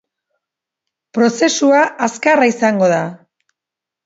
Prozesua azkarra izango da.